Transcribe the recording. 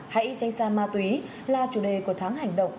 hãy tranh xa ma túy là chủ đề của tháng hành động